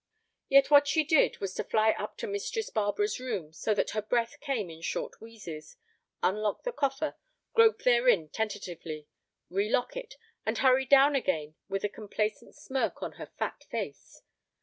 Yet what she did was to fly up to Mistress Barbara's room so that her breath came in short wheezes, unlock the coffer, grope therein tentatively, relock it, and hurry down again with a complacent smirk on her fat face.